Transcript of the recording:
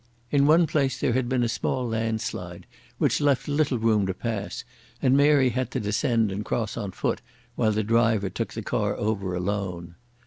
In one place there had been a small landslide which left little room to pass, and Mary had to descend and cross on foot while the driver took the car over alone.